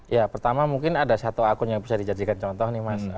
ya pertama mungkin ada satu akun yang bisa dijadikan contoh nih mas